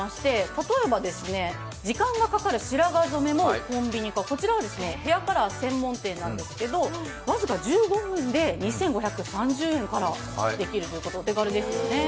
例えば時間がかかる白髪染めもコンビニ化、こちらはヘアカラー専門店なんですけれども僅か１５分で２５３０円からできるということでお手軽ですよね。